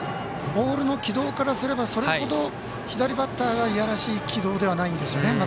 ボールの軌道からすればそれほど左バッターがいやらしい軌道ではないんですね。